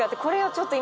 ちょっと。